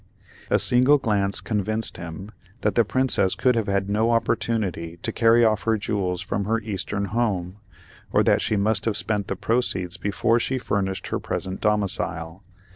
A single glance convinced him that the Princess could have had no opportunity to carry off her jewels from her eastern home, or that she must have spent the proceeds before she furnished her present domicile.